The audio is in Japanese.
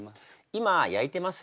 今焼いてます。